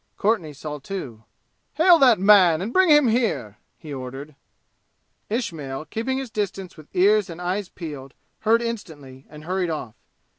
Courtenay saw, too. "Hail that man and bring him here!" he ordered. Ismail, keeping his distance with ears and eyes peeled, heard instantly and hurried off.